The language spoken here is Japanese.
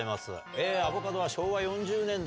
アボカドは昭和４０年代